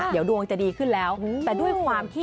เดี๋ยวดวงจะดีขึ้นแล้ว